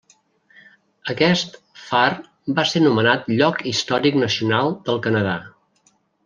Aquest far va ser nomenat Lloc Històric Nacional del Canadà.